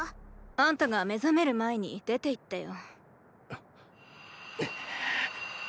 あんたが目覚める前に出て行ったよ。